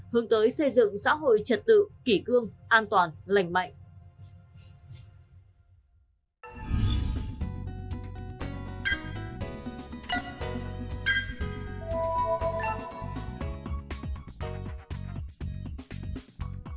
hướng tới xây dựng xã hội trật tự kỷ cương an toàn lành mạnh